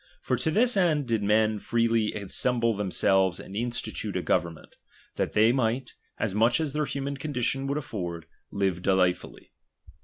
For to this end did men freely assemble themselves and institute a government, that they might, as much as their human condition would afford, live delightfully.